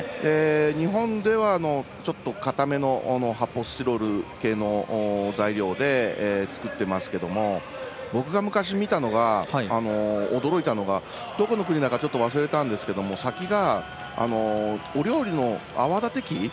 日本では、ちょっと固めの発泡スチロール系の材料で作ってますけども僕が昔、見たのは驚いたのがどこの国だか忘れたんですが先がお料理の泡だて器。